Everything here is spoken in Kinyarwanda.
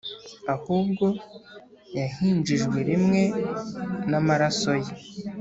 ahubwo yahinjijwe rimwe n'amaraso ye,